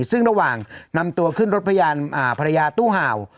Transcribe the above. ซึ่งระหว่างนำตัวขึ้นรถพยานภรรยาตู้เห่า